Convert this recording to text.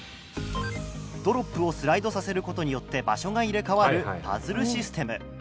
ドロップをスライドさせる事によって場所が入れ替わるパズルシステム。